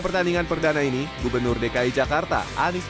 pertandingan yang bertujuan sebagai persahabatan ini